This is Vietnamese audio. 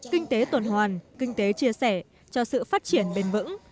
kinh tế tuần hoàn kinh tế chia sẻ cho sự phát triển bền vững